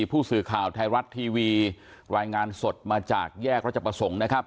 ผู้สื่อข่าวไทยรัฐทีวีรายงานสดมาจากแยกรัชประสงค์นะครับ